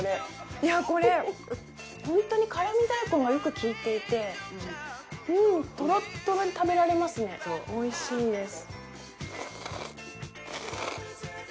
いやこれホントに辛味大根がよく効いていてうんトロットロで食べられますねおいしいです。